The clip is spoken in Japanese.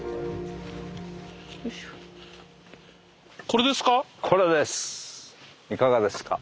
これですか？